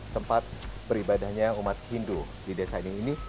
tempat beribadahnya umat hindu di desa ini ini